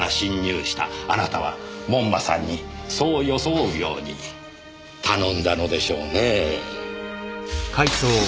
あなたは門馬さんにそう装うように頼んだのでしょうねぇ。